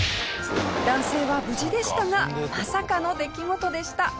男性は無事でしたがまさかの出来事でした。